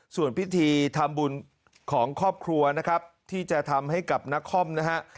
ส่วนพิธีทำบุญของครอบครัวนะครับที่จะทำให้กับนักคอมนะฮะ